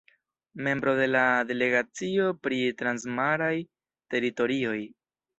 Membro de la delegacio pri transmaraj teritorioj.